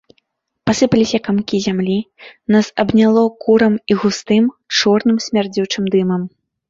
Пасыпаліся камкі зямлі, нас абняло курам і густым, чорным смярдзючым дымам.